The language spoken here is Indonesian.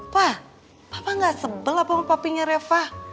pa papa gak sebel apa sama papinya reva